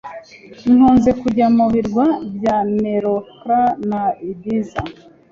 Nkunze kujya mu birwa bya Menorca na Ibiza.